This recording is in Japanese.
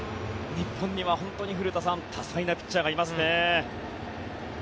日本には本当に多彩なピッチャーがいますね。